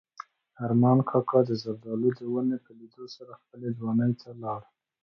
ارمان کاکا د زردالو د ونو په لیدلو سره خپلې ځوانۍ ته لاړ.